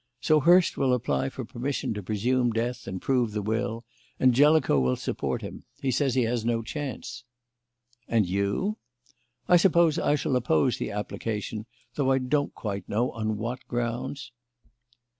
So Hurst will apply for permission to presume death and prove the will, and Jellicoe will support him; he says he has no choice." "And you?" "I suppose I shall oppose the application, though I don't quite know on what grounds."